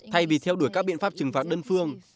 thay vì theo đuổi các biện pháp trừng phạt đơn phương